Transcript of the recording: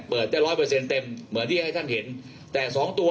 เปิดได้ร้อยเปอร์เซ็นต์เต็มเหมือนที่ให้ท่านเห็นแต่สองตัว